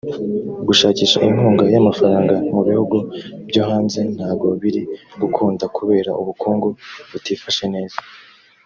gushakisha inkunga y’amafaranga mu bihugu byohanze ntago biri gukunda kubera ubukungu butifashe neza